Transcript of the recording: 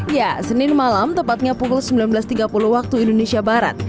ya senin malam tepatnya pukul sembilan belas tiga puluh waktu indonesia barat